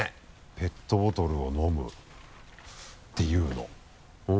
ペットボトルを飲むっていうの。